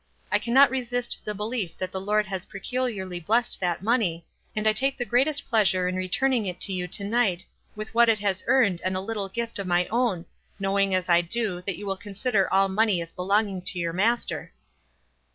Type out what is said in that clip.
I cannot resist the belief that the Lord has pe culiarly blessed that money, and I take the greatest pleasure in returning it to 3 011 to night, with what it has earned and a little gift of my own, knowing, as I do, that 3^011 will consider all money as belonging to 3'our Master."